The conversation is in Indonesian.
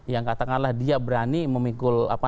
yang katakanlah dia berani memikul